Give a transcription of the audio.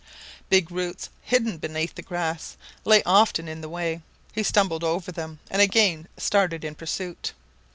Big roots hidden beneath the grass lay often in the way. He stumbled over them and again started in pursuit.